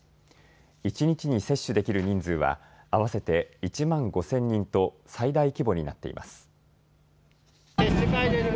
一日に接種できる人数は合わせて１万５０００人と最大規模になっています。